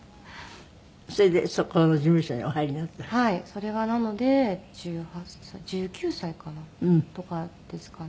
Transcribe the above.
それがなので１８歳１９歳かな？とかですかね。